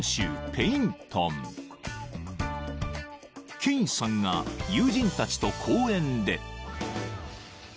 ［ケインさんが友人たちと公園で］